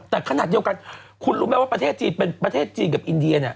แต่ขนาดเดียวกันคุณรู้ไหมว่าประเทศจีนเป็นประเทศจีนกับอินเดียเนี่ย